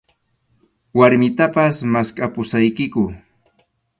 Warmitapas maskhapusaykiku.